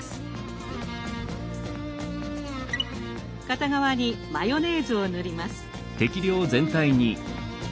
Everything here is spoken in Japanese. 片側にマヨネーズを塗ります。